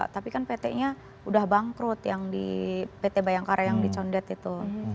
tapi kan pt nya udah bangkrut yang di pt bayangkara yang dicondet itu